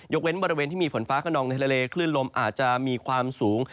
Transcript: เว้นบริเวณที่มีฝนฟ้าขนองในทะเลคลื่นลมอาจจะมีความสูง